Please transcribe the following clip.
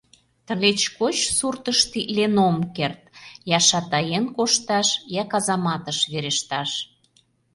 Тылеч коч суртышто илен ом керт: я «шатаен» кошташ, я казаматыш верешташ!..